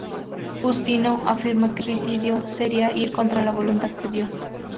Justino afirma que el suicidio sería ir contra la voluntad de Dios.